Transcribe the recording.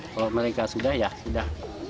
kalau mereka sudah ya sudah